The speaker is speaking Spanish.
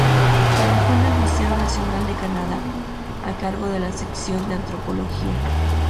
Trabajó en el Museo Nacional de Canadá, a cargo de la sección de antropología.